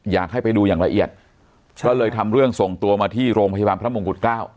อยากให้ไปดูอย่างละเอียดก็เลยทำเรื่องส่งตัวมาที่โรงพยาบาลพระมงกุฎเกล้า